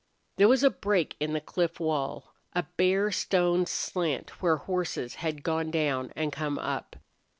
There was a break in the cliff wall, a bare stone slant where horses had gone down and come up.